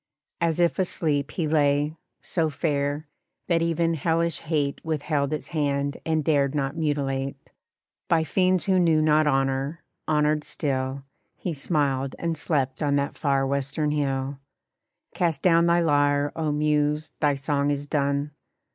As if asleep He lay, so fair, that even hellish hate Withheld its hand and dared not mutilate. By fiends who knew not honor, honored still, He smiled and slept on that far western hill. Cast down thy lyre, oh Muse! thy song is done!